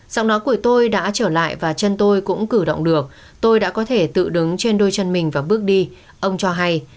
giọng nói của tôi đã trở lại và chân tôi cũng cử động được tôi đã có thể tự đứng trên đôi chân mình và bước đi ông cho hay